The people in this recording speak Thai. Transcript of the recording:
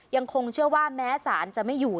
ยังคงเชื่อว่าแม้สารจะไม่อยู่